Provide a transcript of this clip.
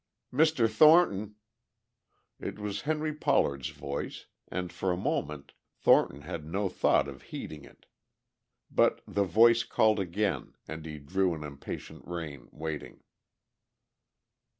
"Mr. Thornton!" It was Henry Pollard's voice, and for a moment Thornton had no thought of heeding it. But the voice called again, and he drew an impatient rein, waiting.